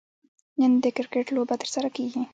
نن د کرکټ لوبه ترسره کیږي